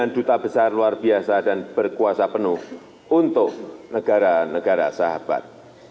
tiga puluh sembilan juta besar luar biasa dan berkuasa penuh untuk negara negara sahabat